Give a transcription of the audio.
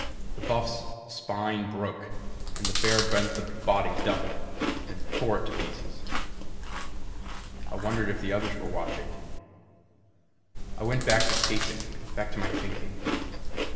The buff's spine broke and the bear bent the body double, then tore it to pieces. I wondered if the others were watching. I went back to pacing; back to my thinking.